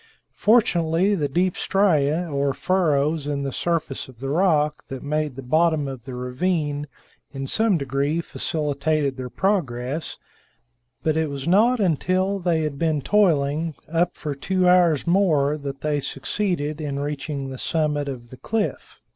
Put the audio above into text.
Fortunately, the deep striae or furrows in the surface of the rocks that made the bottom of the ravine in some degree facilitated their progress, but it was not until they had been toiling up for two hours more that they succeeded in reaching the summit of the cliff.